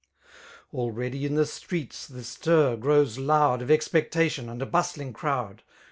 « Already in the streets the stir grows loud Of expectation and a bustling crowd.